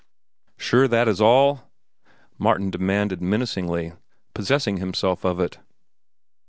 "Sure that is all?" Martin demanded menacingly, possessing himself of it.